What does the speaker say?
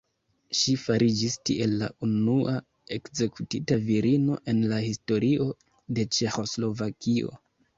Ŝi fariĝis tiel la unua ekzekutita virino en la historio de Ĉeĥoslovakio.